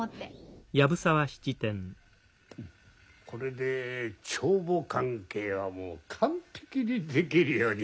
これで帳簿関係はもう完璧にできるようになったな。